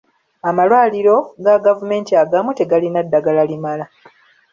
Amalwaliro ga gavumenti agamu tegalina ddagala limala.